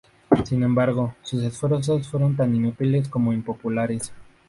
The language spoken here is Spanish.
Sin embargo, sus esfuerzos fueron tan inútiles como impopulares.